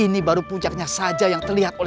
ini baru puncaknya saja yang terlihat